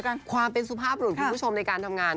ความเป็นสุภาพรุ่นคุณผู้ชมในการทำงาน